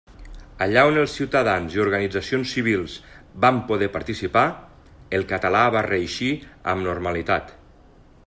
Allà on els ciutadans i organitzacions civils vam poder participar, el català va reeixir amb normalitat.